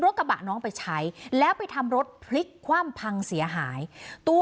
กระบะน้องไปใช้แล้วไปทำรถพลิกคว่ำพังเสียหายตัว